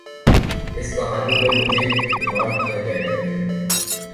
ﺍﺱ ﮐﮩﺎﻧﯽ ﻣﯿﮟ ﻣﺠﮭﮯ ﻣﺎﺭ ﺩﯾﺎ ﺟﺎﺋﮯ ﮔﺎ